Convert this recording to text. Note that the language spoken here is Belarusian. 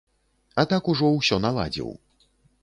А так ужо ўсё наладзіў.